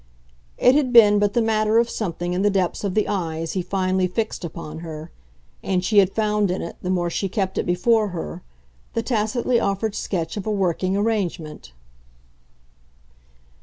It had been but the matter of something in the depths of the eyes he finally fixed upon her, and she had found in it, the more she kept it before her, the tacitly offered sketch of a working arrangement.